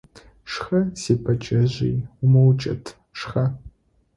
Шхэ, си бэджэжъый, умыукӀыт, шхэ!